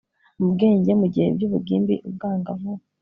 mu bwenge mu gihe by'ubugimbi ubwangavu